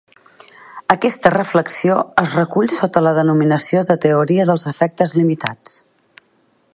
Aquesta reflexió es recull sota la denominació de Teoria dels efectes limitats.